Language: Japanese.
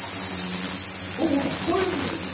そう聞こえるのよ。